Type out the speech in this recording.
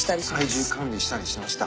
体重管理したりしましたか。